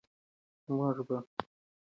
موږ به د خج په اړه نور زده کړو.